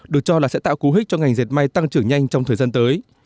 được cho là sẽ tạo cú hích cho ngành dệt may tăng trưởng nhanh trong thời gian tới